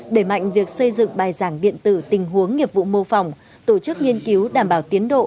đẩy mạnh việc xây dựng bài giảng điện tử tình huống nghiệp vụ mô phỏng tổ chức nghiên cứu đảm bảo tiến độ